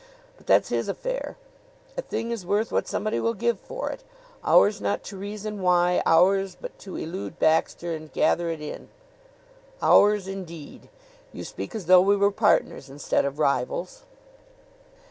But that's his affair. A thing is worth what somebody will give for it. Ours not to reason why; ours but to elude Baxter and gather it in." "Ours, indeed! You speak as though we were partners instead of rivals."